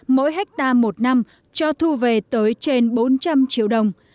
mỗi hectare một năm cho thu về tới trên bốn trăm linh triệu đồng